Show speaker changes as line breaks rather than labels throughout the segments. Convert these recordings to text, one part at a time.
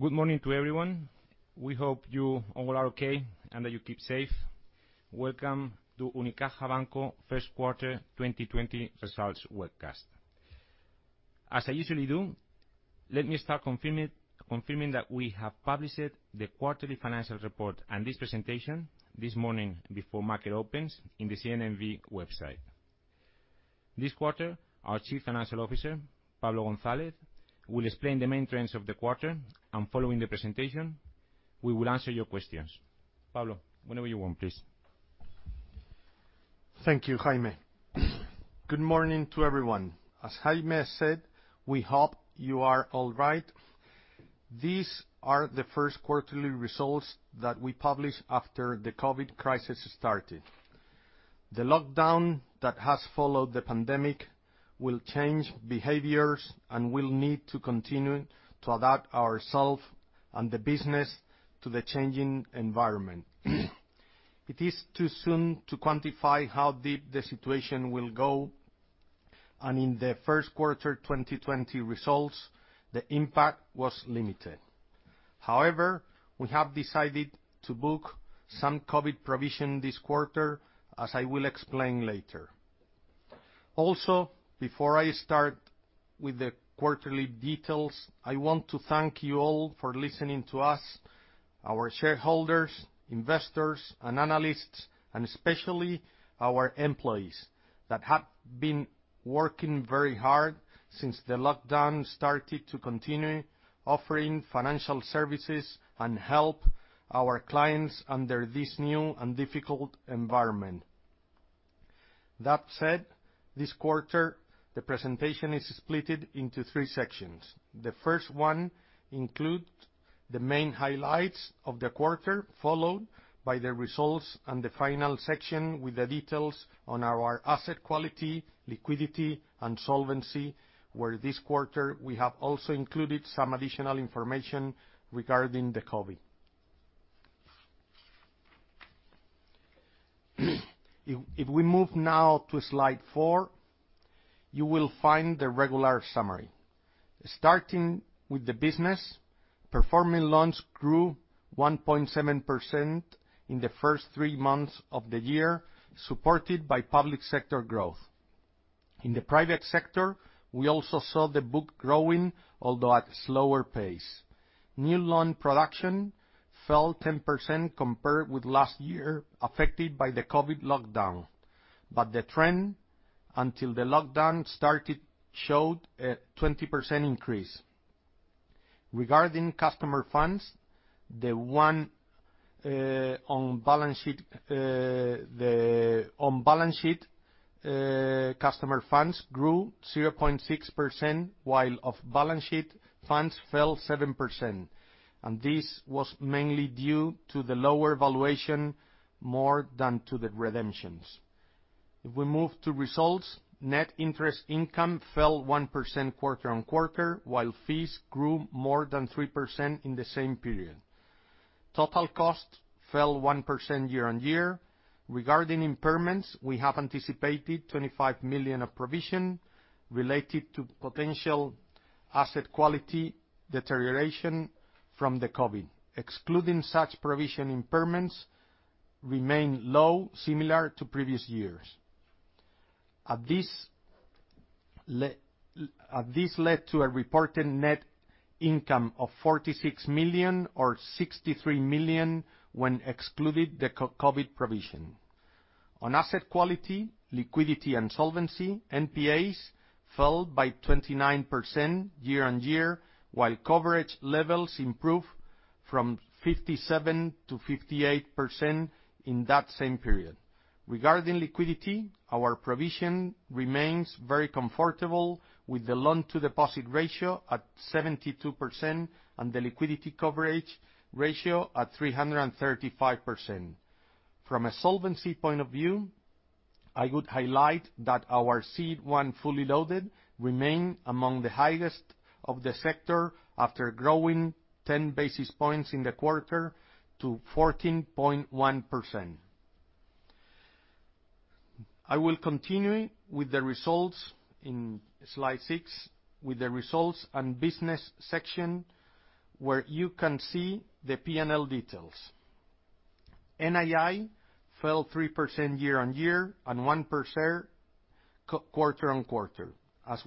Good morning to everyone. We hope you all are okay and that you keep safe. Welcome to Unicaja Banco first quarter 2020 results webcast. As I usually do, let me start confirming that we have published the quarterly financial report and this presentation this morning before market opens in the CNMV website. This quarter, our Chief Financial Officer, Pablo González, will explain the main trends of the quarter, and following the presentation, we will answer your questions. Pablo, whenever you want, please.
Thank you, Jaime. Good morning to everyone. As Jaime said, we hope you are all right. These are the first quarterly results that we publish after the COVID crisis started. The lockdown that has followed the pandemic will change behaviors and we'll need to continue to adapt ourselves and the business to the changing environment. It is too soon to quantify how deep the situation will go, and in the first quarter 2020 results, the impact was limited. However, we have decided to book some COVID provision this quarter, as I will explain later. Also, before I start with the quarterly details, I want to thank you all for listening to us, our shareholders, investors and analysts, and especially our employees that have been working very hard since the lockdown started to continue offering financial services and help our clients under this new and difficult environment. That said, this quarter, the presentation is splitted into three sections. The first one include the main highlights of the quarter, followed by the results and the final section with the details on our asset quality, liquidity and solvency, where this quarter we have also included some additional information regarding the COVID. If we move now to slide four, you will find the regular summary. Starting with the business, performing loans grew 1.7% in the first three months of the year, supported by public sector growth. In the private sector, we also saw the book growing, although at slower pace. New loan production fell 10% compared with last year affected by the COVID lockdown. The trend until the lockdown started showed a 20% increase. Regarding customer funds, the one on balance sheet, customer funds grew 0.6%, while off-balance-sheet funds fell 7%. This was mainly due to the lower valuation, more than to the redemptions. If we move to results, net interest income fell 1% quarter-on-quarter, while fees grew more than 3% in the same period. Total cost fell 1% year-on-year. Regarding impairments, we have anticipated 25 million of provision related to potential asset quality deterioration from COVID. Excluding such provision impairments remained low, similar to previous years. This led to a reported net income of 46 million or 63 million when excluded the COVID provision. On asset quality, liquidity and solvency, NPAs fell by 29% year-on-year, while coverage levels improved from 57%-58% in that same period. Regarding liquidity, our position remains very comfortable with the loan-to-deposit ratio at 72% and the liquidity coverage ratio at 335%. From a solvency point of view, I would highlight that our CET1 fully loaded remain among the highest of the sector after growing 10 basis points in the quarter to 14.1%. I will continue with the results in slide six with the results and business section where you can see the P&L details. NII fell 3% year-on-year and 1% quarter-on-quarter. As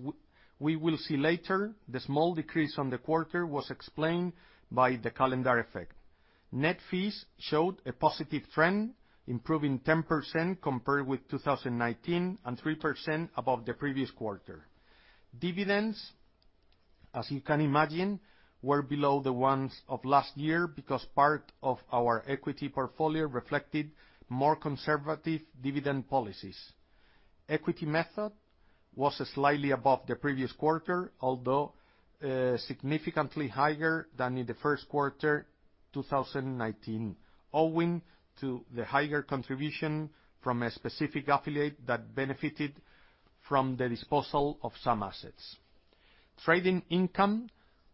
we will see later, the small decrease on the quarter was explained by the calendar effect. Net fees showed a positive trend, improving 10% compared with 2019 and 3% above the previous quarter. Dividends, as you can imagine, were below the ones of last year because part of our equity portfolio reflected more conservative dividend policies. Equity method was slightly above the previous quarter, although significantly higher than in the first quarter 2019, owing to the higher contribution from a specific affiliate that benefited from the disposal of some assets. Trading income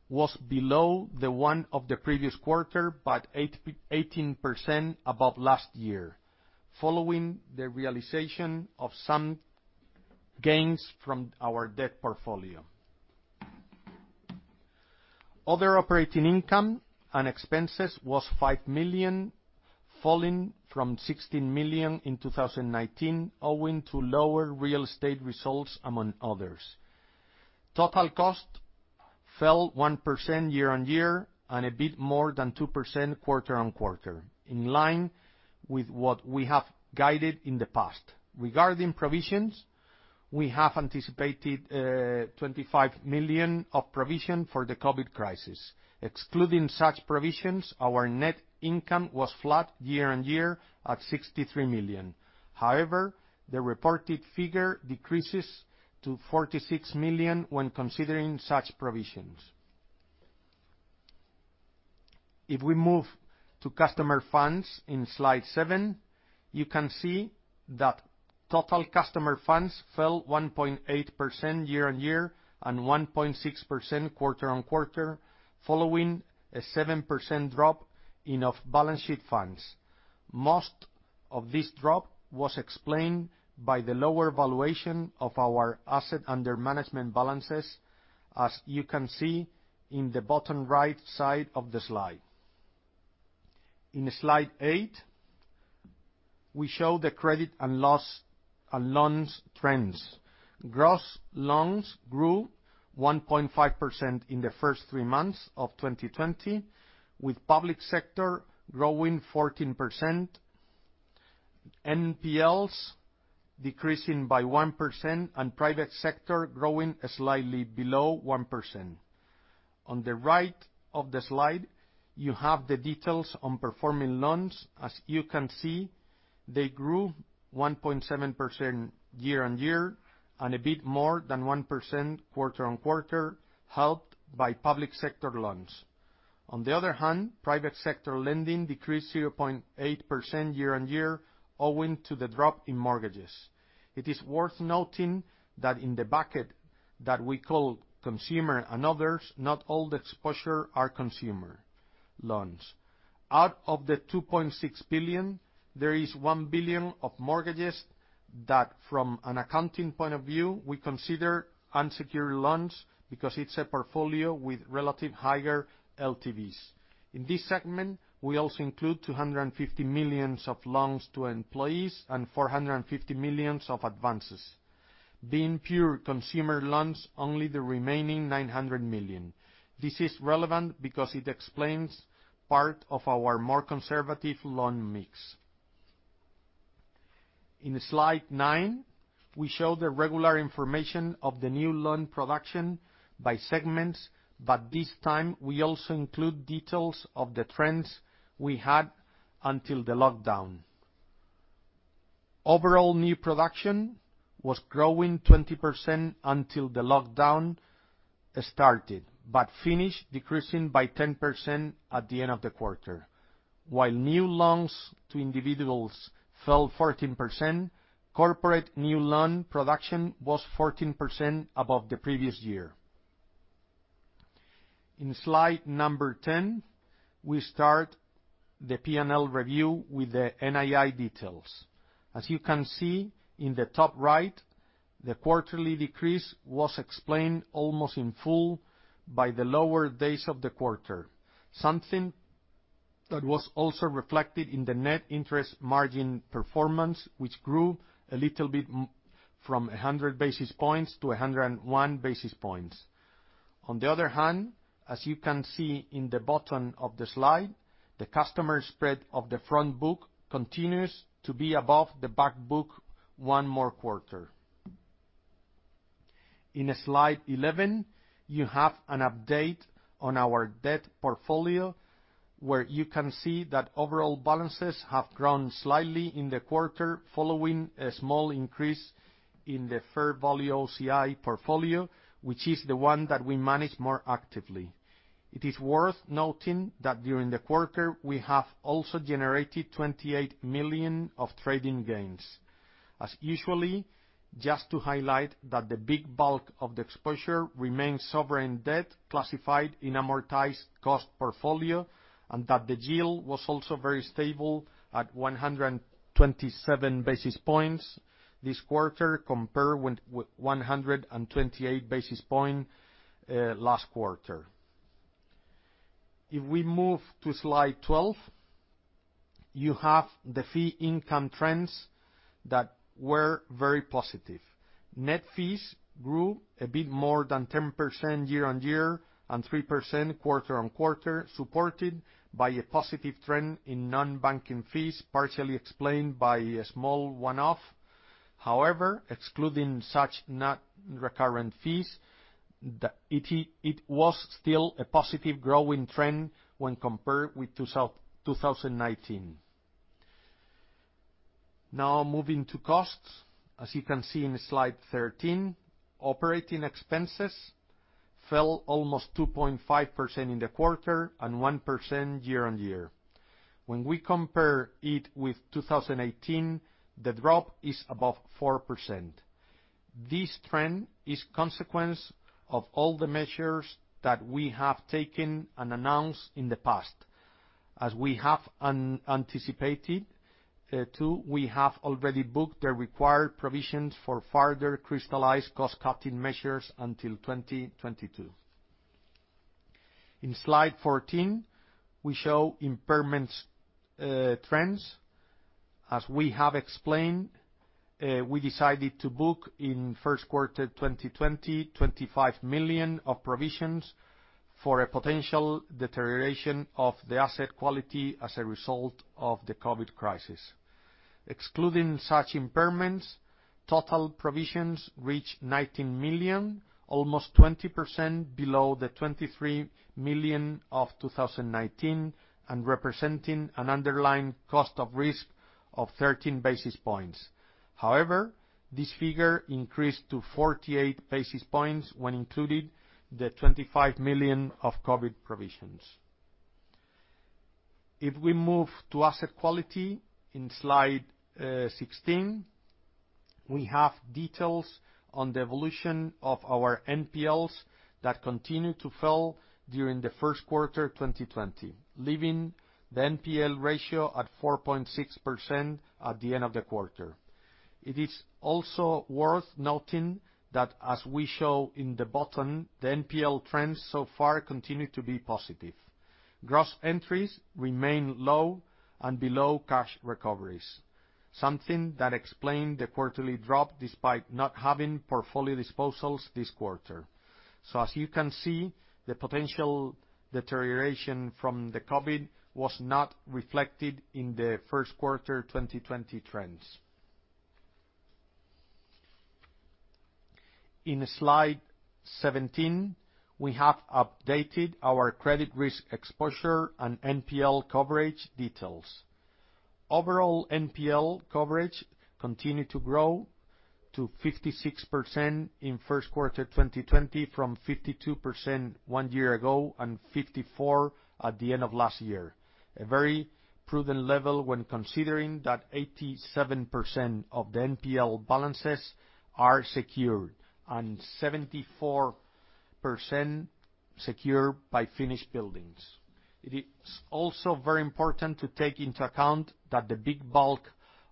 was below the one of the previous quarter, 18% above last year. Following the realization of some gains from our debt portfolio. Other operating income and expenses was 5 million, falling from 16 million in 2019, owing to lower real estate results, among others. Total cost fell 1% year-on-year, a bit more than 2% quarter-on-quarter, in line with what we have guided in the past. Regarding provisions, we have anticipated 25 million of provision for the COVID crisis. Excluding such provisions, our net income was flat year-on-year at 63 million. The reported figure decreases to 46 million when considering such provisions. If we move to customer funds in slide seven, you can see that total customer funds fell 1.8% year-on-year and 1.6% quarter-on-quarter, following a 7% drop in off-balance-sheet funds. Most of this drop was explained by the lower valuation of our asset under management balances, as you can see in the bottom right side of the slide. In slide eight, we show the credit and loss on loans trends. Gross loans grew 1.5% in the first three months of 2020, with public sector growing 14%, NPLs decreasing by 1%, and private sector growing slightly below 1%. On the right of the slide, you have the details on performing loans. As you can see, they grew 1.7% year-on-year and a bit more than 1% quarter-on-quarter, helped by public sector loans. On the other hand, private sector lending decreased 0.8% year-on-year owing to the drop in mortgages. It is worth noting that in the bucket that we call consumer and others, not all the exposure are consumer loans. Out of the 2.6 billion, there is 1 billion of mortgages that, from an accounting point of view, we consider unsecured loans because it's a portfolio with relative higher LTVs. In this segment, we also include 250 million of loans to employees and 450 million of advances. Being pure consumer loans, only the remaining 900 million. This is relevant because it explains part of our more conservative loan mix. In slide nine, we show the regular information of the new loan production by segments, but this time we also include details of the trends we had until the lockdown. Overall new production was growing 20% until the lockdown started, but finished decreasing by 10% at the end of the quarter. While new loans to individuals fell 14%, corporate new loan production was 14% above the previous year. In slide number 10, we start the P&L review with the NII details. As you can see in the top right, the quarterly decrease was explained almost in full by the lower days of the quarter, something that was also reflected in the net interest margin performance, which grew a little bit from 100 basis points to 101 basis points. On the other hand, as you can see in the bottom of the slide, the customer spread of the front book continues to be above the back book one more quarter. In slide 11, you have an update on our debt portfolio, where you can see that overall balances have grown slightly in the quarter following a small increase in the fair value OCI portfolio, which is the one that we manage more actively. It is worth noting that during the quarter, we have also generated 28 million of trading gains. As usual, just to highlight that the big bulk of the exposure remains sovereign debt classified in amortized cost portfolio, the yield was also very stable at 127 basis points this quarter, compared with 128 basis point last quarter. If we move to slide 12, you have the fee income trends that were very positive. Net fees grew a bit more than 10% year-on-year and 3% quarter-on-quarter, supported by a positive trend in non-banking fees, partially explained by a small one-off. However, excluding such non-recurrent fees, it was still a positive growing trend when compared with 2019. Moving to costs. As you can see in slide 13, operating expenses fell almost 2.5% in the quarter and 1% year-on-year. When we compare it with 2018, the drop is above 4%. This trend is consequence of all the measures that we have taken and announced in the past. As we have anticipated too, we have already booked the required provisions for further crystallized cost-cutting measures until 2022. In slide 14, we show impairment trends. As we have explained, we decided to book in first quarter 2020, 25 million of provisions for a potential deterioration of the asset quality as a result of the COVID crisis. Excluding such impairments, total provisions reached 19 million, almost 20% below the 23 million of 2019 and representing an underlying cost of risk of 13 basis points. However, this figure increased to 48 basis points when including the 25 million of COVID provisions. If we move to asset quality in slide 16, we have details on the evolution of our NPLs that continued to fall during the first quarter 2020, leaving the NPL ratio at 4.6% at the end of the quarter. It is also worth noting that as we show in the bottom, the NPL trends so far continue to be positive. Gross entries remain low and below cash recoveries, something that explained the quarterly drop despite not having portfolio disposals this quarter. As you can see, the potential deterioration from the COVID was not reflected in the first quarter 2020 trends. In slide 17, we have updated our credit risk exposure and NPL coverage details. Overall NPL coverage continued to grow to 56% in first quarter 2020 from 52% one year ago and 54% at the end of last year. A very prudent level when considering that 87% of the NPL balances are secured and 74% secured by finished buildings. It is also very important to take into account that the big bulk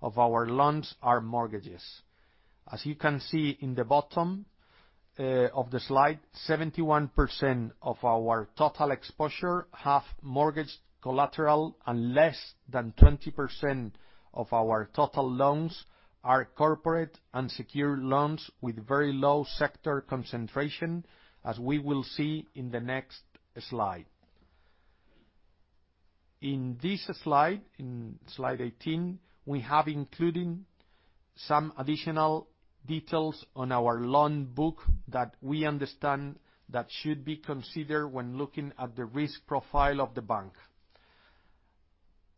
of our loans are mortgages. As you can see in the bottom of the slide, 71% of our total exposure have mortgage collateral and less than 20% of our total loans are corporate unsecured loans with very low sector concentration, as we will see in the next slide. In this slide, in slide 18, we have included some additional details on our loan book that we understand that should be considered when looking at the risk profile of the bank.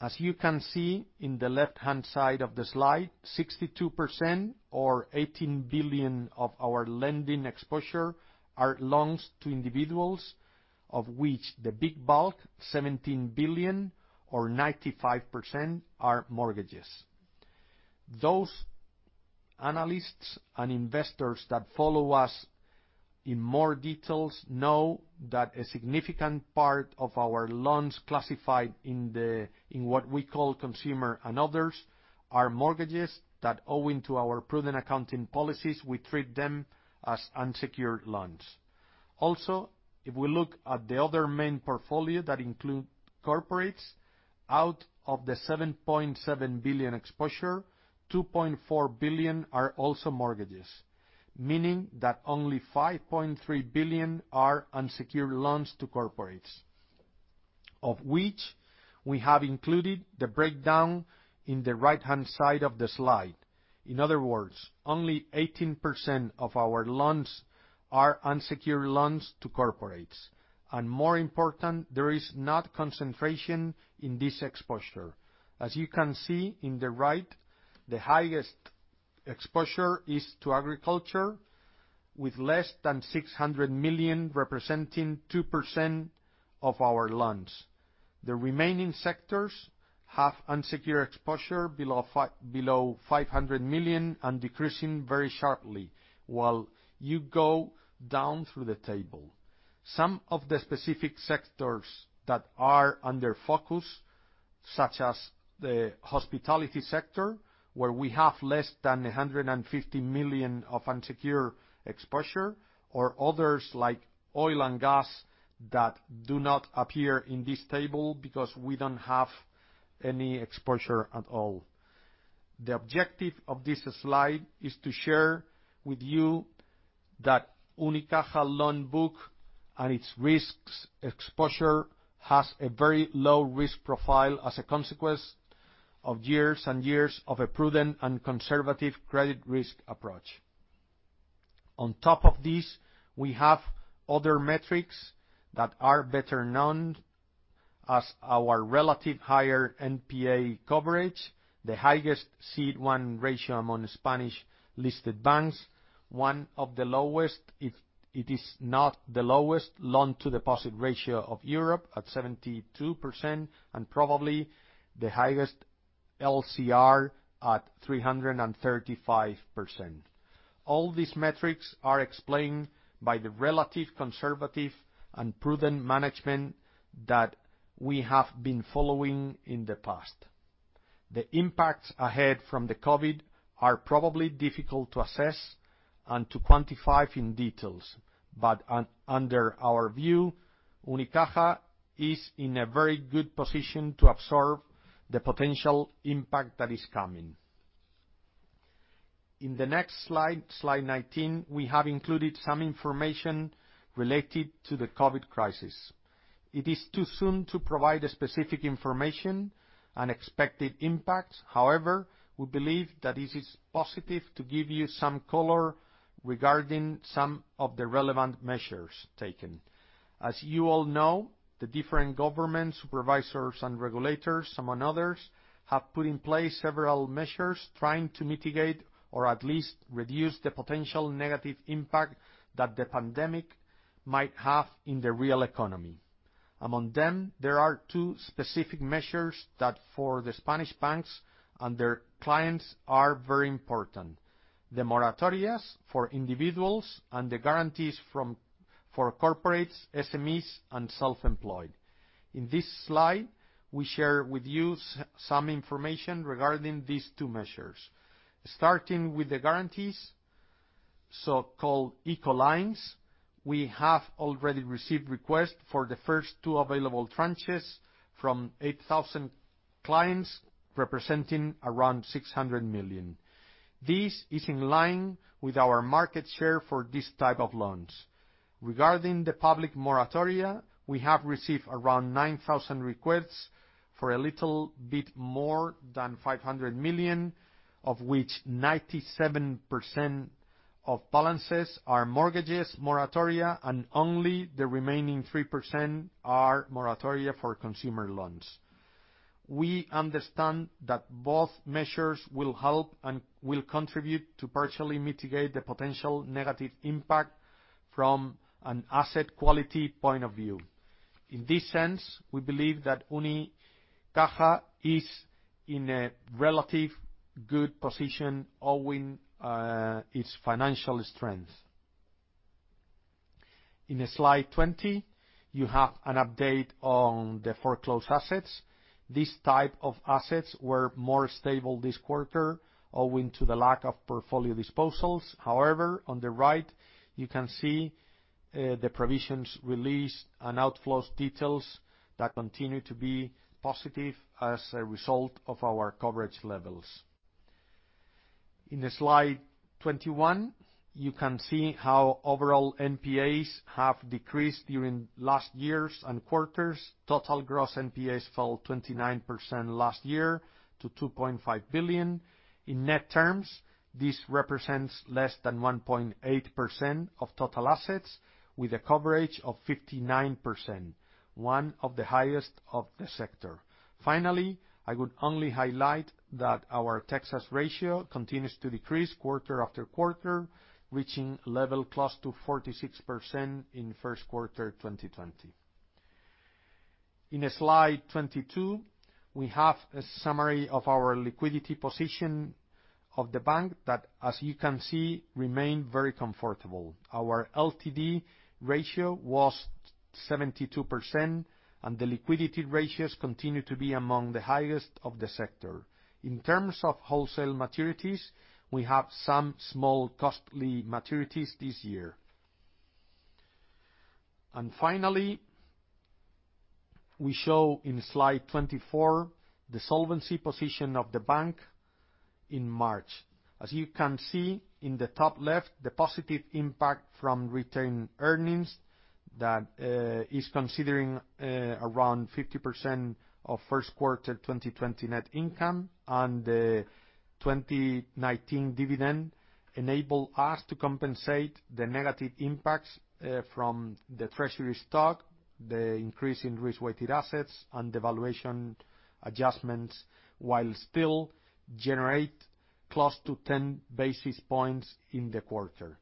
As you can see in the left-hand side of the slide, 62% or 18 billion of our lending exposure are loans to individuals, of which the big bulk, 17 billion or 95%, are mortgages. Those analysts and investors that follow us in more details know that a significant part of our loans classified in what we call consumer and others, are mortgages that owing to our prudent accounting policies, we treat them as unsecured loans. If we look at the other main portfolio that include corporates, out of the 7.7 billion exposure, 2.4 billion are also mortgages, meaning that only 5.3 billion are unsecured loans to corporates, of which we have included the breakdown in the right-hand side of the slide. In other words, only 18% of our loans are unsecured loans to corporates. More important, there is not concentration in this exposure. As you can see in the right, the highest exposure is to agriculture, with less than 600 million representing 2% of our loans. The remaining sectors have unsecured exposure below 500 million, decreasing very sharply while you go down through the table. Some of the specific sectors that are under focus, such as the hospitality sector, where we have less than 150 million of unsecured exposure, or others like oil and gas that do not appear in this table because we don't have any exposure at all. The objective of this slide is to share with you that Unicaja loan book and its risks exposure has a very low risk profile as a consequence of years and years of a prudent and conservative credit risk approach. On top of this, we have other metrics that are better known as our relative higher NPA coverage, the highest CET1 ratio among Spanish-listed banks, one of the lowest, if it is not the lowest, loan-to-deposit ratio of Europe at 72%, and probably the highest LCR at 335%. All these metrics are explained by the relative conservative and prudent management that we have been following in the past. The impacts ahead from the COVID are probably difficult to assess and to quantify in detail. Under our view, Unicaja is in a very good position to absorb the potential impact that is coming. In the next slide 19, we have included some information related to the COVID crisis. It is too soon to provide specific information and expected impacts. However, we believe that it is positive to give you some color regarding some of the relevant measures taken. As you all know, the different government supervisors and regulators, among others, have put in place several measures trying to mitigate or at least reduce the potential negative impact that the pandemic might have in the real economy. Among them, there are two specific measures that for the Spanish banks and their clients are very important. The moratorias for individuals and the guarantees for corporates, SMEs, and self-employed. In this slide, we share with you some information regarding these two measures. Starting with the guarantees, so-called ICO lines. We have already received requests for the first two available tranches from 8,000 clients, representing around 600 million. This is in line with our market share for this type of loans. Regarding the public moratoria, we have received around 9,000 requests for a little bit more than 500 million, of which 97% of balances are mortgages moratoria, and only the remaining 3% are moratoria for consumer loans. We understand that both measures will help and will contribute to partially mitigate the potential negative impact from an asset quality point of view. In this sense, we believe that Unicaja is in a relatively good position owing its financial strength. In slide 20, you have an update on the foreclosed assets. These type of assets were more stable this quarter owing to the lack of portfolio disposals. However, on the right, you can see the provisions released and outflows details that continue to be positive as a result of our coverage levels. In slide 21, you can see how overall NPAs have decreased during last years and quarters. Total gross NPAs fell 29% last year to 2.5 billion. In net terms, this represents less than 1.8% of total assets with a coverage of 59%, one of the highest of the sector. Finally, I would only highlight that our Texas ratio continues to decrease quarter after quarter, reaching level close to 46% in first quarter 2020. In slide 22, we have a summary of our liquidity position of the bank that, as you can see, remain very comfortable. Our LTD ratio was 72%, and the liquidity ratios continue to be among the highest of the sector. In terms of wholesale maturities, we have some small costly maturities this year. Finally, we show in slide 24 the solvency position of the bank in March. As you can see in the top left, the positive impact from retained earnings that is considering around 50% of first quarter 2020 net income, and the 2019 dividend enabled us to compensate the negative impacts from the treasury stock, the increase in risk-weighted assets, and the valuation adjustments, while still generate close to 10 basis points in the quarter.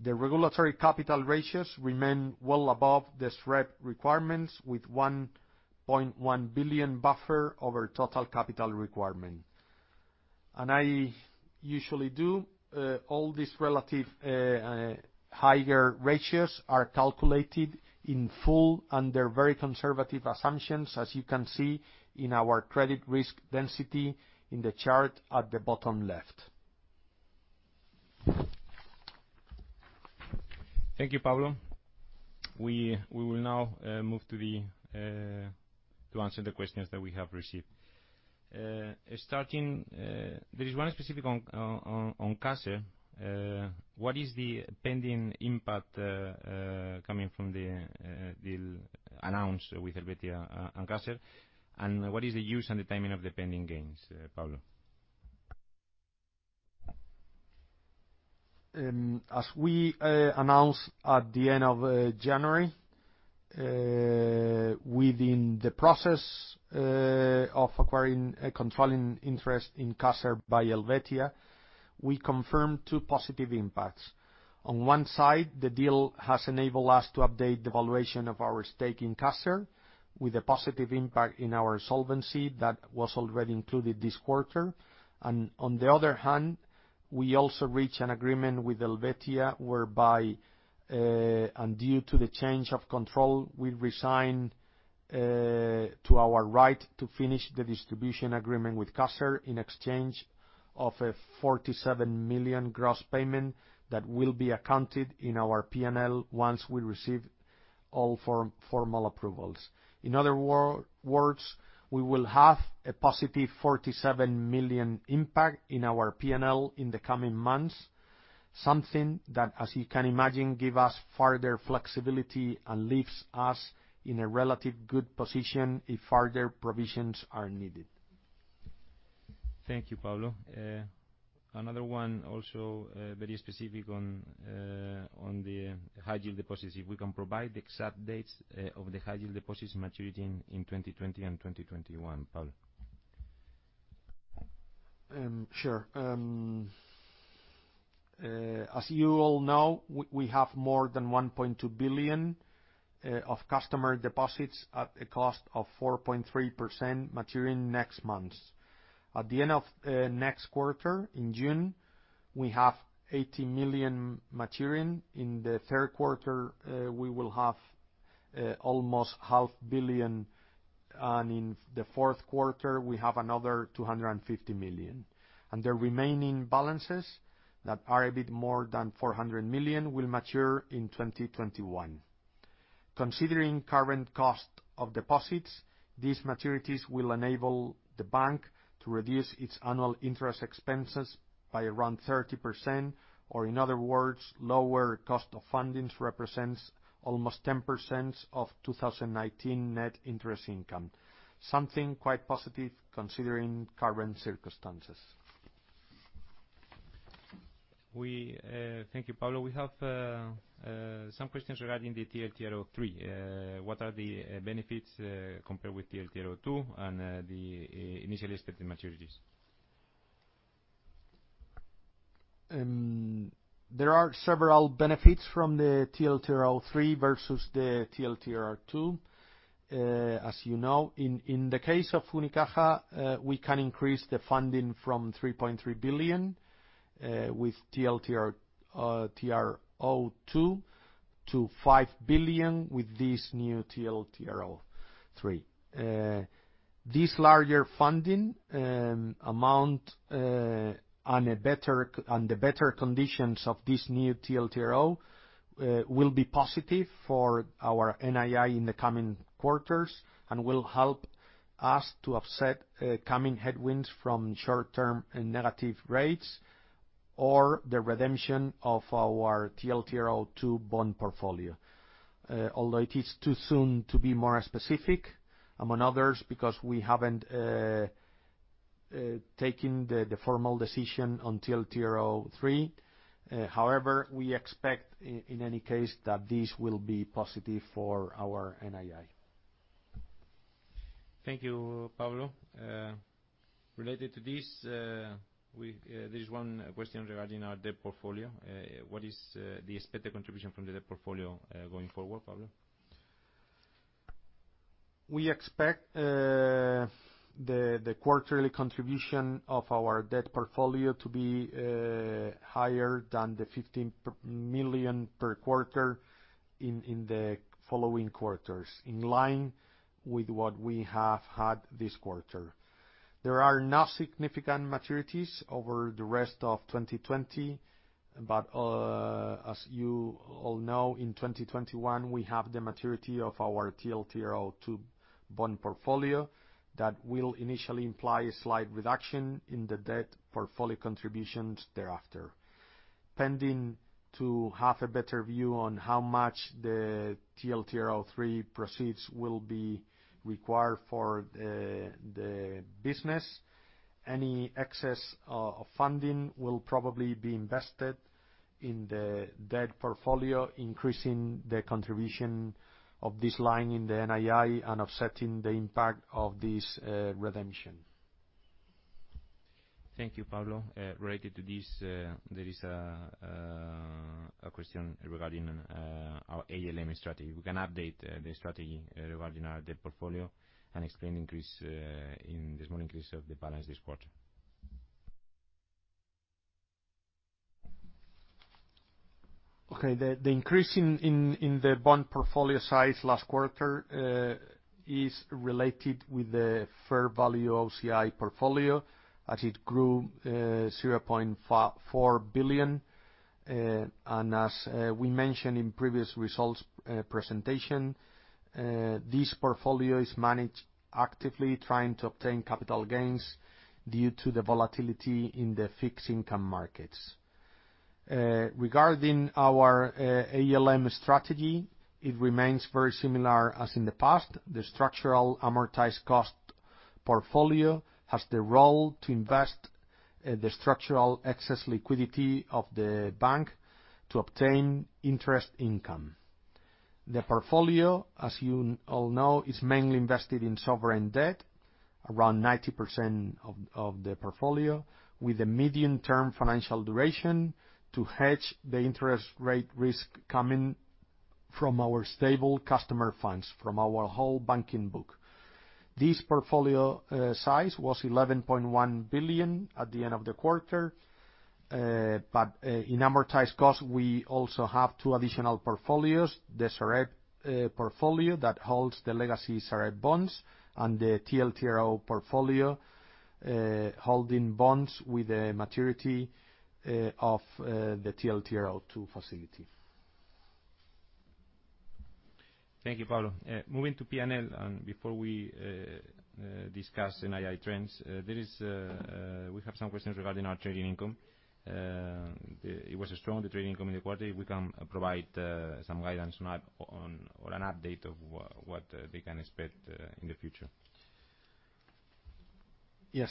The regulatory capital ratios remain well above the SREP requirements with 1.1 billion buffer over total capital requirement. I usually do, all these relative higher ratios are calculated in full under very conservative assumptions, as you can see in our credit risk density in the chart at the bottom left.
Thank you, Pablo. We will now move to answer the questions that we have received. There is one specific on CASER. What is the pending impact coming from the deal announced with Helvetia and CASER? What is the use and the timing of the pending gains, Pablo?
As we announced at the end of January, within the process of acquiring a controlling interest in CASER by Helvetia, we confirm two positive impacts. On one side, the deal has enabled us to update the valuation of our stake in CASER with a positive impact in our solvency that was already included this quarter. On the other hand, we also reached an agreement with Helvetia, whereby and due to the change of control, we resign to our right to finish the distribution agreement with CASER in exchange of a 47 million gross payment that will be accounted in our P&L once we receive all formal approvals. In other words, we will have a positive 47 million impact in our P&L in the coming months. Something that, as you can imagine, give us further flexibility and leaves us in a relatively good position if further provisions are needed.
Thank you, Pablo. Another one, also very specific on the high-yield deposits, if we can provide the exact dates of the high-yield deposits maturity in 2020 and 2021? Pablo.
Sure. As you all know, we have more than 1.2 billion of customer deposits at a cost of 4.3% maturing next month. At the end of next quarter, in June, we have 80 million maturing. In the third quarter, we will have almost EUR half billion, and in the fourth quarter, we have another 250 million. The remaining balances, that are a bit more than 400 million, will mature in 2021. Considering current cost of deposits, these maturities will enable the bank to reduce its annual interest expenses by around 30%, or in other words, lower cost of funding represents almost 10% of 2019 net interest income. Something quite positive considering current circumstances.
Thank you, Pablo. We have some questions regarding the TLTRO III. What are the benefits compared with TLTRO II and the initially expected maturities?
There are several benefits from the TLTRO III versus the TLTRO II. As you know, in the case of Unicaja, we can increase the funding from 3.3 billion with TLTRO II to 5 billion with this new TLTRO III. This larger funding amount and the better conditions of this new TLTRO will be positive for our NII in the coming quarters and will help us to offset coming headwinds from short-term negative rates or the redemption of our TLTRO II bond portfolio. Although it is too soon to be more specific, among others, because we haven't taken the formal decision on TLTRO III. However, we expect, in any case, that this will be positive for our NII.
Thank you, Pablo. Related to this, there's one question regarding our debt portfolio. What is the expected contribution from the debt portfolio going forward, Pablo?
We expect the quarterly contribution of our debt portfolio to be higher than the 15 million per quarter in the following quarters, in line with what we have had this quarter. As you all know, in 2021, we have the maturity of our TLTRO II bond portfolio that will initially imply a slight reduction in the debt portfolio contributions thereafter. Pending to have a better view on how much the TLTRO III proceeds will be required for the business, any excess of funding will probably be invested in the debt portfolio, increasing the contribution of this line in the NII and offsetting the impact of this redemption.
Thank you, Pablo. Related to this, there is a question regarding our ALM strategy. We can update the strategy regarding our debt portfolio and explain the small increase of the balance this quarter.
Okay. The increase in the bond portfolio size last quarter is related with the fair value OCI portfolio, as it grew 0.4 billion. As we mentioned in previous results presentation, this portfolio is managed actively, trying to obtain capital gains due to the volatility in the fixed income markets. Regarding our ALM strategy, it remains very similar as in the past. The structural amortized cost portfolio has the role to invest the structural excess liquidity of the bank to obtain interest income. The portfolio, as you all know, is mainly invested in sovereign debt, around 90% of the portfolio, with a medium-term financial duration to hedge the interest rate risk coming from our stable customer funds, from our whole banking book. This portfolio size was 11.1 billion at the end of the quarter. In amortized cost, we also have two additional portfolios, the SAREB portfolio that holds the legacy SAREB bonds and the TLTRO portfolio, holding bonds with a maturity of the TLTRO II facility.
Thank you, Pablo. Moving to P&L, and before we discuss NII trends, we have some questions regarding our trading income. It was a strong trading income in the quarter. We can provide some guidance or an update of what they can expect in the future.
Yes.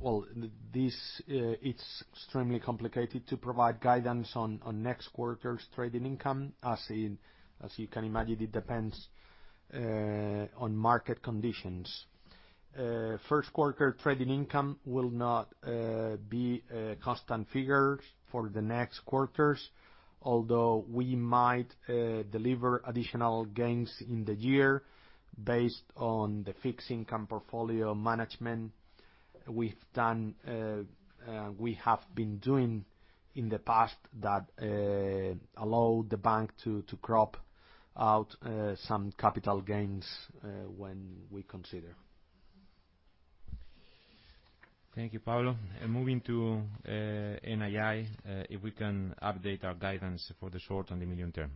Well, it's extremely complicated to provide guidance on next quarter's trading income. As you can imagine, it depends on market conditions. First quarter trading income will not be a constant figure for the next quarters, although we might deliver additional gains in the year based on the fixed income portfolio management we have been doing in the past that allow the bank to crop out some capital gains, when we consider.
Thank you, Pablo. Moving to NII, if we can update our guidance for the short and the medium term.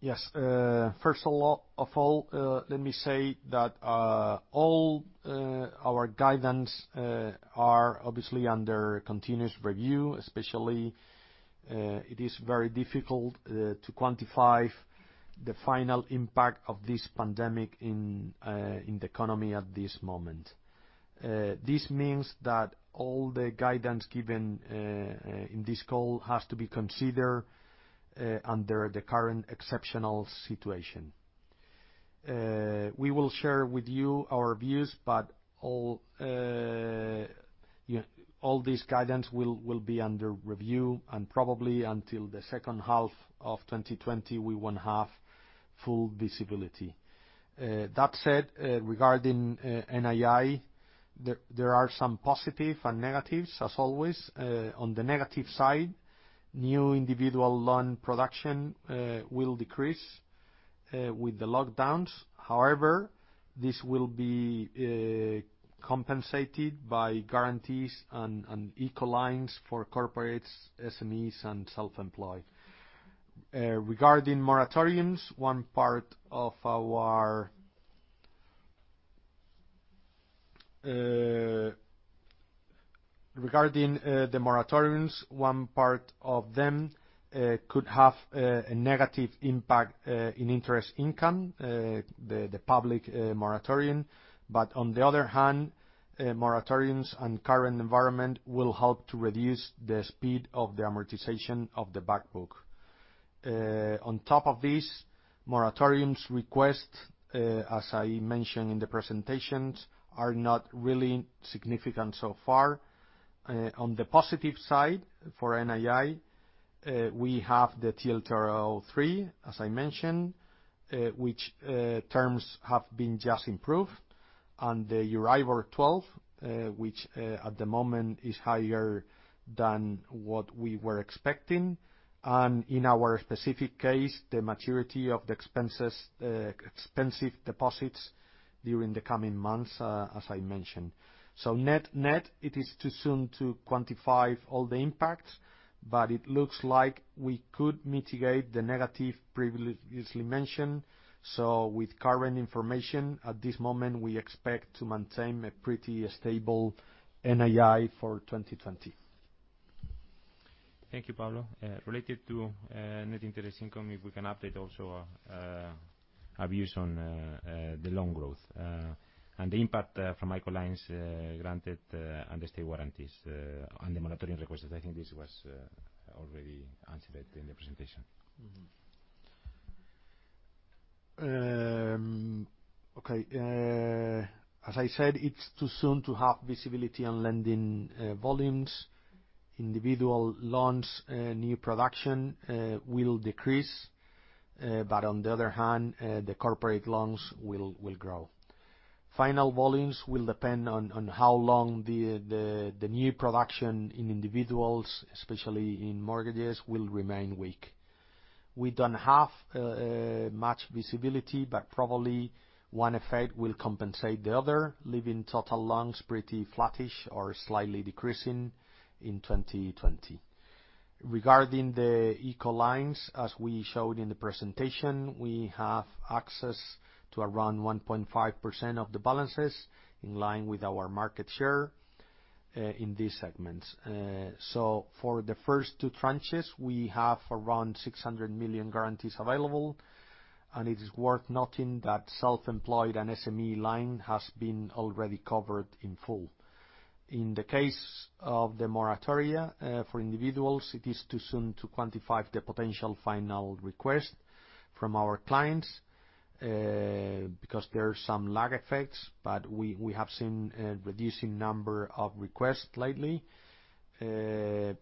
Yes. First of all, let me say that all our guidance are obviously under continuous review, especially it is very difficult to quantify the final impact of this pandemic in the economy at this moment. This means that all the guidance given in this call has to be considered under the current exceptional situation. We will share with you our views, All this guidance will be under review, and probably until the second half of 2020, we won't have full visibility. That said, regarding NII, there are some positive and negatives, as always. On the negative side, new individual loan production will decrease with the lockdowns. This will be compensated by guarantees and ICO lines for corporates, SMEs, and self-employed. Regarding the moratoriums, one part of them could have a negative impact in interest income, the public moratorium. On the other hand, moratoriums and current environment will help to reduce the speed of the amortization of the back book. On top of this, moratoriums request, as I mentioned in the presentations, are not really significant so far. On the positive side for NII, we have the TLTRO III, as I mentioned, which terms have been just improved, and the EURIBOR 12M, which at the moment is higher than what we were expecting. In our specific case, the maturity of the expensive deposits during the coming months, as I mentioned. Net-net, it is too soon to quantify all the impacts, but it looks like we could mitigate the negative previously mentioned. With current information, at this moment, we expect to maintain a pretty stable NII for 2020.
Thank you, Pablo. Related to net interest income, if we can update also our views on the loan growth, and the impact from ICO lines granted under state warranties and the moratorium requested. I think this was already answered in the presentation.
Okay. As I said, it is too soon to have visibility on lending volumes. Individual loans, new production will decrease. On the other hand, the corporate loans will grow. Final volumes will depend on how long the new production in individuals, especially in mortgages, will remain weak. We don't have much visibility, probably one effect will compensate the other, leaving total loans pretty flattish or slightly decreasing in 2020. Regarding the ICO lines, as we showed in the presentation, we have access to around 1.5% of the balances, in line with our market share in these segments. For the first two tranches, we have around 600 million guarantees available, and it is worth noting that self-employed and SME line has been already covered in full. In the case of the moratoria, for individuals, it is too soon to quantify the potential final request from our clients, because there are some lag effects. We have seen a reducing number of requests lately. The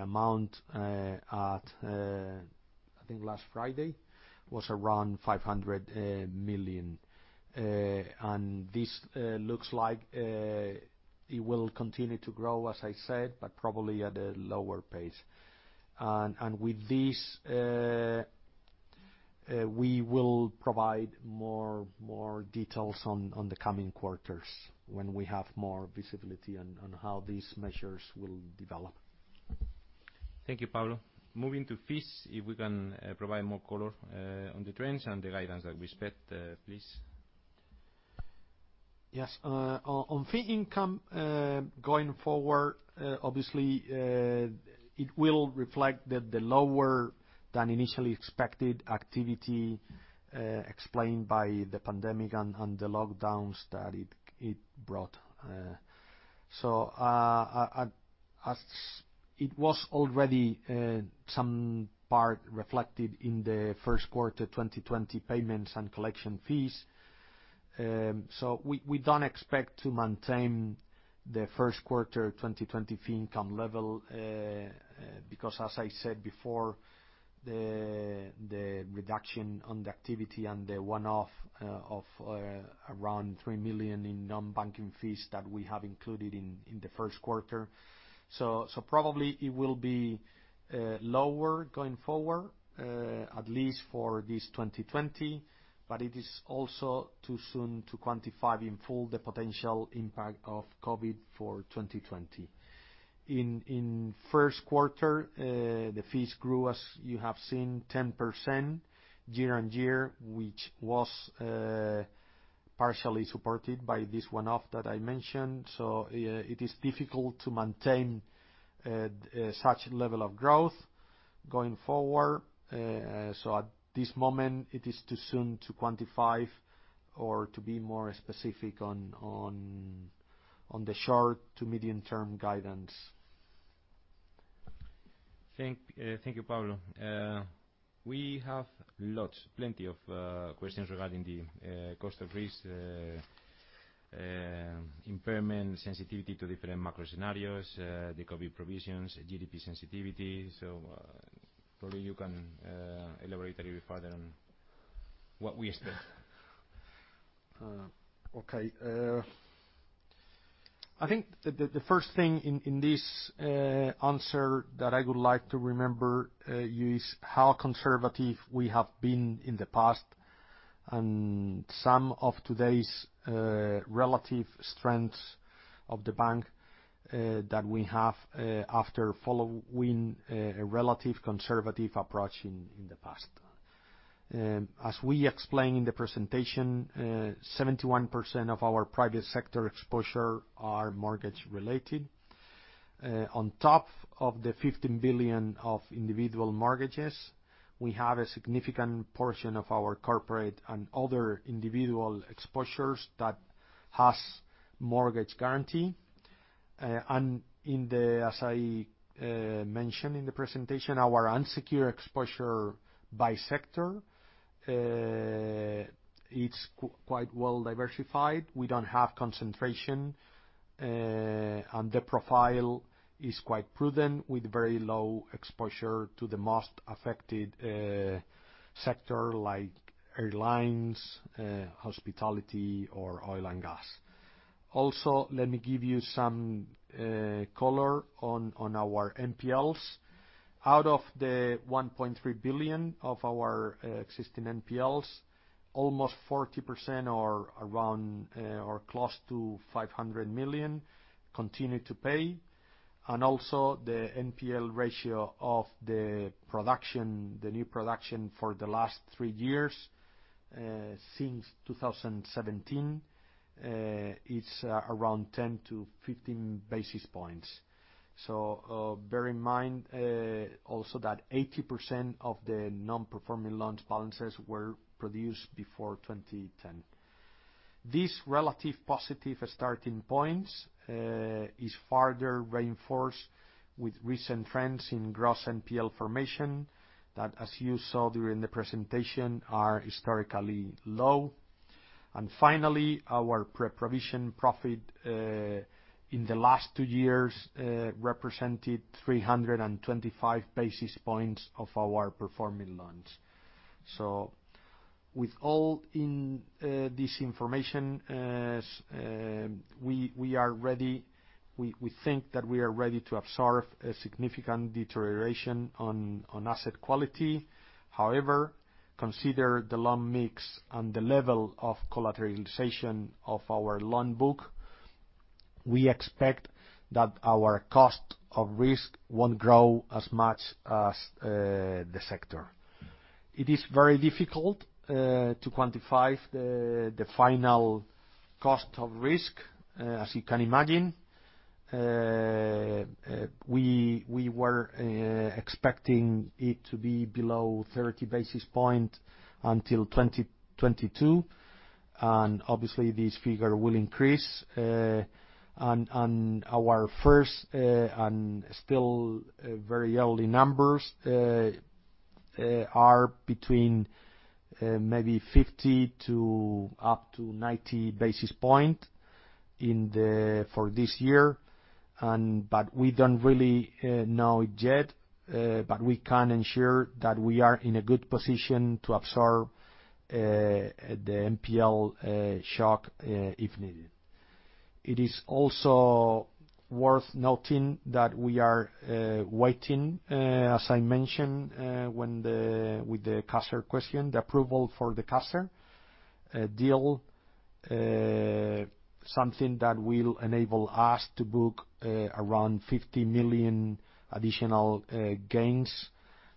amount at, I think last Friday, was around 500 million. This looks like it will continue to grow, as I said, but probably at a lower pace. With this, we will provide more details on the coming quarters when we have more visibility on how these measures will develop.
Thank you, Pablo. Moving to fees, if we can provide more color on the trends and the guidance that we expect, please.
Yes. On fee income, going forward, obviously, it will reflect the lower than initially expected activity explained by the pandemic and the lockdowns that it brought. As it was already some part reflected in the first quarter 2020 payments and collection fees, we don't expect to maintain the first quarter 2020 fee income level, because as I said before, the reduction on the activity and the one-off of around 3 million in non-banking fees that we have included in the first quarter. Probably it will be lower going forward, at least for this 2020, but it is also too soon to quantify in full the potential impact of COVID for 2020. In first quarter, the fees grew, as you have seen, 10% year-on-year, which was partially supported by this one-off that I mentioned. It is difficult to maintain such level of growth going forward. At this moment it is too soon to quantify or to be more specific on the short to medium-term guidance.
Thank you, Pablo. We have lots, plenty of questions regarding the cost of risk, impairment, sensitivity to different macro scenarios, the COVID provisions, GDP sensitivity. Probably you can elaborate a little bit further on what we expect.
Okay. I think the first thing in this answer that I would like to remember you is how conservative we have been in the past, and some of today's relative strengths of Unicaja Banco that we have after following a relative conservative approach in the past. As we explained in the presentation, 71% of our private sector exposure are mortgage related. On top of the 15 billion of individual mortgages, we have a significant portion of our corporate and other individual exposures that has mortgage guarantee. As I mentioned in the presentation, our unsecured exposure by sector, it's quite well diversified. We don't have concentration. The profile is quite prudent, with very low exposure to the most affected sector like airlines, hospitality, or oil and gas. Also, let me give you some color on our NPLs. Out of the 1.3 billion of our existing NPLs, almost 40%, or around or close to 500 million, continue to pay. Also the NPL ratio of the production, the new production for the last three years, since 2017, it's around 10-15 basis points. Bear in mind also that 80% of the non-performing loans balances were produced before 2010. These relative positive starting points is further reinforced with recent trends in gross NPL formation that, as you saw during the presentation, are historically low. Finally, our pre-provision profit, in the last two years, represented 325 basis points of our performing loans. With all in this information, we think that we are ready to absorb a significant deterioration on asset quality. However, consider the loan mix and the level of collateralization of our loan book. We expect that our cost of risk won't grow as much as the sector. It is very difficult to quantify the final cost of risk, as you can imagine. We were expecting it to be below 30 basis points until 2022. Obviously, this figure will increase. Our first, and still very early numbers are between maybe 50 basis points up to 90 basis points for this year. We don't really know it yet, but we can ensure that we are in a good position to absorb the NPL shock if needed. It is also worth noting that we are waiting, as I mentioned with the CASER question, the approval for the CASER deal. Something that will enable us to book around 50 million additional gains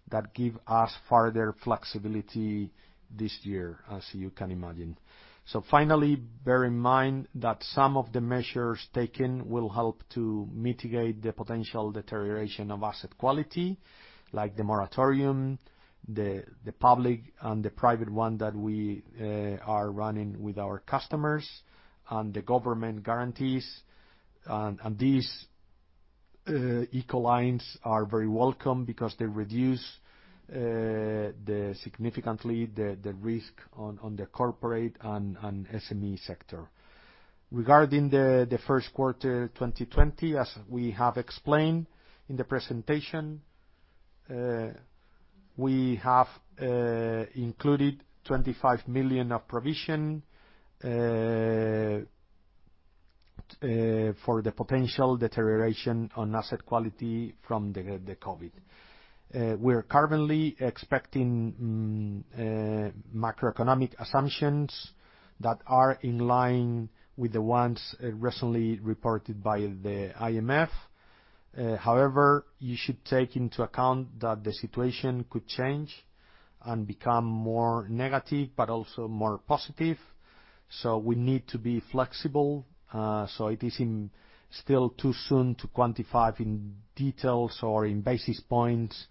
that give us further flexibility this year, as you can imagine. Finally, bear in mind that some of the measures taken will help to mitigate the potential deterioration of asset quality, like the moratorium, the public and the private one that we are running with our customers, and the government guarantees. These ICO lines are very welcome because they reduce significantly the risk on the corporate and SME sector. Regarding the first quarter 2020, as we have explained in the presentation, we have included 25 million of provision for the potential deterioration on asset quality from the COVID. We're currently expecting macroeconomic assumptions that are in line with the ones recently reported by the IMF. However, you should take into account that the situation could change and become more negative, but also more positive. We need to be flexible. It is still too soon to quantify in details or in basis points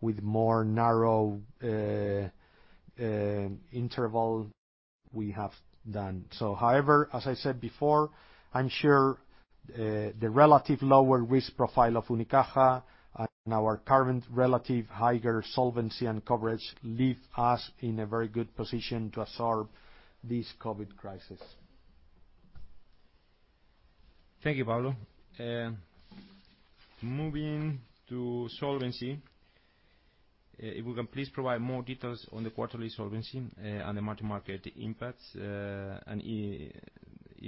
with more narrow interval we have done. However, as I said before, I'm sure the relative lower risk profile of Unicaja and our current relative higher solvency and coverage leave us in a very good position to absorb this COVID crisis.
Thank you, Pablo. Moving to solvency. If we can please provide more details on the quarterly solvency and the multi-market impacts. If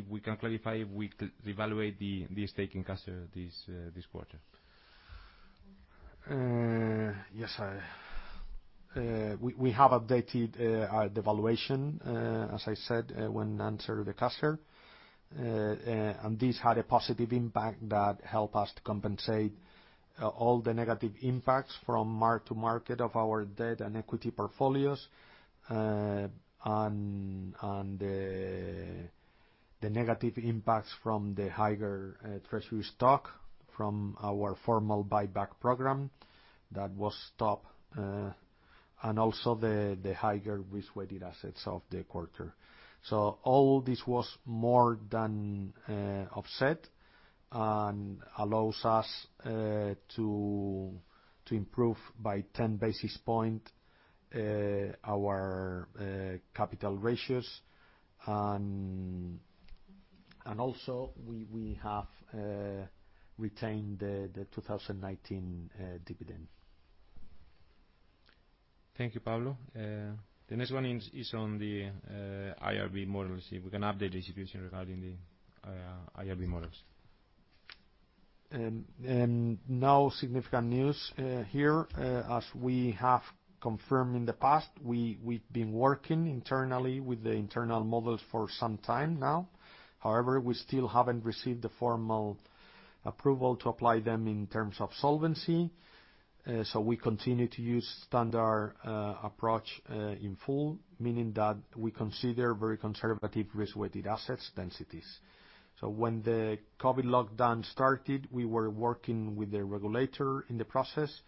we can clarify if we revaluate the stake in Caser this quarter.
Yes. We have updated the valuation, as I said, when answering the CASER. This had a positive impact that help us to compensate all the negative impacts from mark to market of our debt and equity portfolios. The negative impacts from the higher treasury stock from our formal buyback program that was stopped. Also the higher risk-weighted assets of the quarter. All this was more than offset and allows us to improve by 10 basis points our capital ratios. Also, we have retained the 2019 dividend.
Thank you, Pablo. The next one is on the IRB models. If we can update the execution regarding the IRB models.
No significant news here. As we have confirmed in the past, we've been working internally with the internal models for some time now. However, we still haven't received the formal approval to apply them in terms of solvency. We continue to use standard approach in full, meaning that we consider very conservative risk-weighted assets densities. When the COVID lockdown started, we were working with the regulator in the process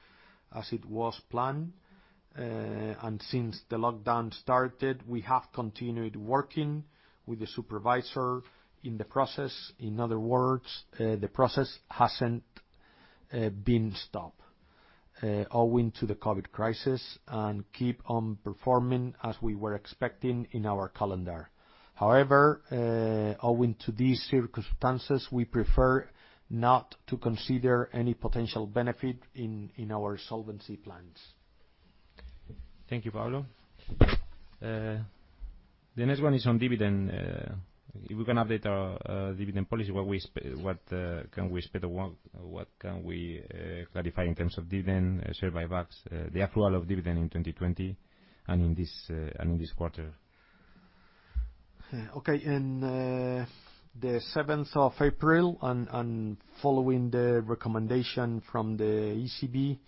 as it was planned. Since the lockdown started, we have continued working with the supervisor in the process. In other words, the process hasn't been stopped owing to the COVID crisis, and keep on performing as we were expecting in our calendar. However, owing to these circumstances, we prefer not to consider any potential benefit in our solvency plans.
Thank you, Pablo. The next one is on dividend. If we can update our dividend policy? What can we clarify in terms of dividend, share buybacks, the approval of dividend in 2020 and in this quarter?
Okay. In the 7th of April, following the recommendation from the ECB,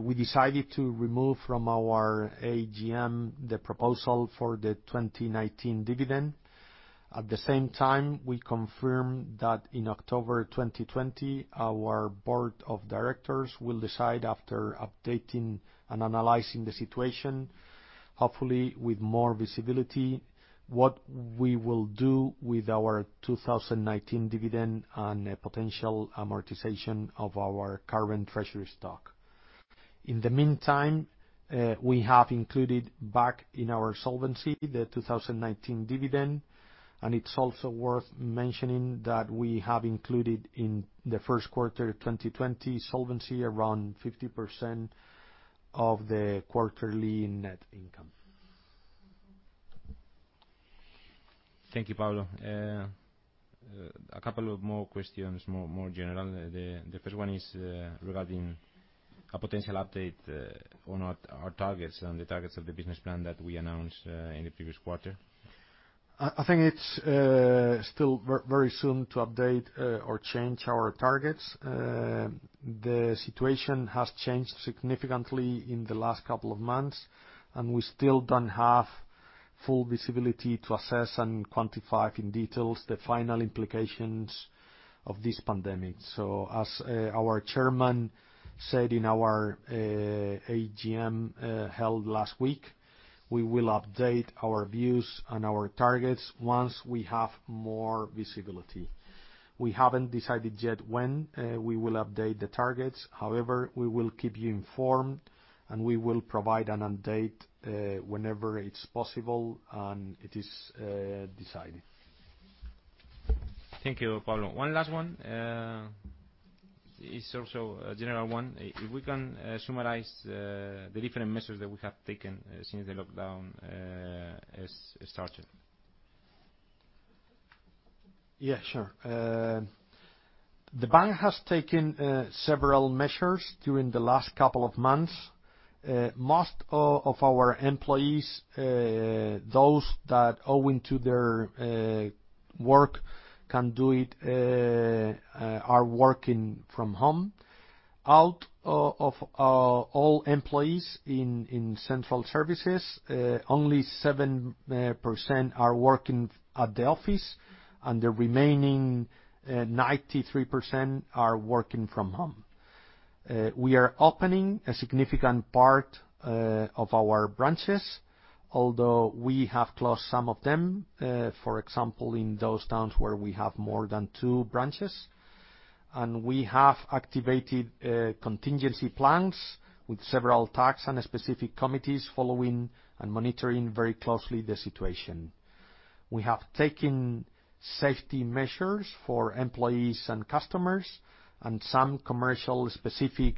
we decided to remove from our AGM the proposal for the 2019 dividend. At the same time, we confirmed that in October 2020, our board of directors will decide, after updating and analyzing the situation, hopefully with more visibility, what we will do with our 2019 dividend and a potential amortization of our current treasury stock. In the meantime, we have included back in our solvency the 2019 dividend, it's also worth mentioning that we have included in the first quarter 2020 solvency around 50% of the quarterly net income.
Thank you, Pablo. A couple of more questions, more general. The first one is regarding a potential update on our targets and the targets of the business plan that we announced in the previous quarter.
I think it's still very soon to update or change our targets. The situation has changed significantly in the last couple of months, and we still don't have full visibility to assess and quantify in details the final implications of this pandemic. As our chairman said in our AGM held last week, we will update our views and our targets once we have more visibility. We haven't decided yet when we will update the targets. However, we will keep you informed, and we will provide an update whenever it's possible and it is decided.
Thank you, Pablo. One last one. It's also a general one. If we can summarize the different measures that we have taken since the lockdown has started.
Yeah, sure. The bank has taken several measures during the last couple of months. Most of our employees, those that owing to their work can do it, are working from home. Out of all employees in central services, only 7% are working at the office, the remaining 93% are working from home. We are opening a significant part of our branches, although we have closed some of them, for example, in those towns where we have more than two branches. We have activated contingency plans with several tags and specific committees following and monitoring very closely the situation. We have taken safety measures for employees and customers and some commercial specific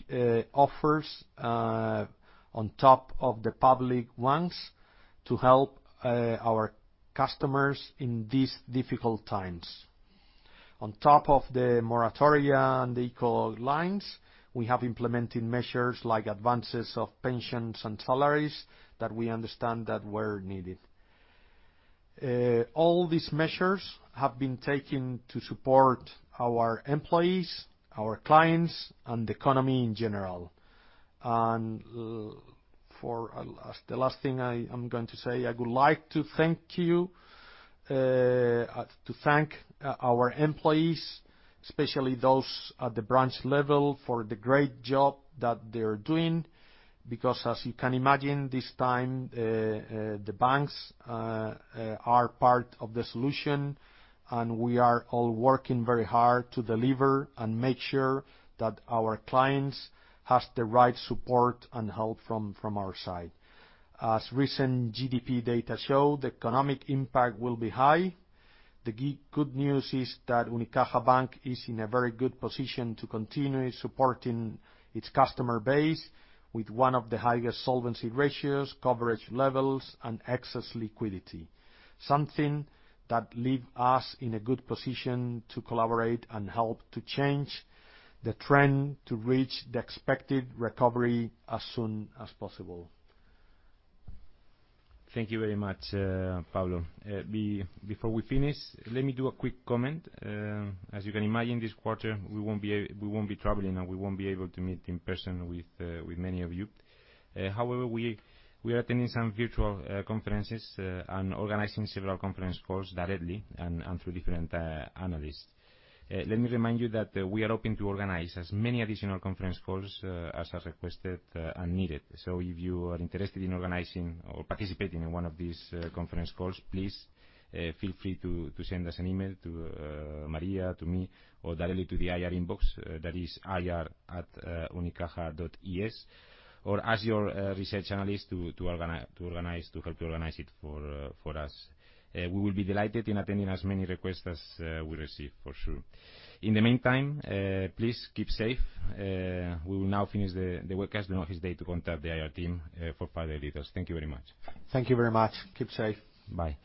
offers on top of the public ones to help our customers in these difficult times. On top of the moratoria and ICO lines, we have implemented measures like advances of pensions and salaries that we understand that were needed. All these measures have been taken to support our employees, our clients, and the economy in general. For the last thing I'm going to say, I would like to thank our employees, especially those at the branch level, for the great job that they're doing. Because, as you can imagine, this time the banks are part of the solution, and we are all working very hard to deliver and make sure that our clients have the right support and help from our side. As recent GDP data show, the economic impact will be high. The good news is that Unicaja Banco is in a very good position to continue supporting its customer base with one of the highest solvency ratios, coverage levels, and excess liquidity. Something that leaves us in a good position to collaborate and help to change the trend to reach the expected recovery as soon as possible.
Thank you very much, Pablo. Before we finish, let me do a quick comment. As you can imagine, this quarter, we won't be traveling, and we won't be able to meet in person with many of you. However, we are attending some virtual conferences and organizing several conference calls directly and through different analysts. Let me remind you that we are open to organize as many additional conference calls as are requested and needed. If you are interested in organizing or participating in one of these conference calls, please feel free to send us an email to María, to me, or directly to the IR inbox, that is ir@unicaja.es, or ask your research analyst to help to organize it for us. We will be delighted in attending as many requests as we receive for sure. In the meantime, please keep safe. We will now finish the webcast. Don't hesitate to contact the IR team for further details. Thank you very much.
Thank you very much. Keep safe.
Bye.